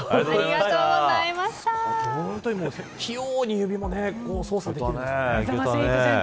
器用に指も操作できるんですね。